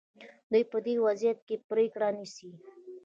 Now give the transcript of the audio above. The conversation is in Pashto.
دوی به په دې وضعیت کې پرېکړه نیسي.